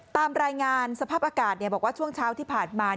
ตามรายงานสภาพอากาศบอกว่าช่วงเช้าที่ผ่านมา